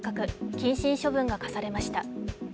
謹慎処分が科されました。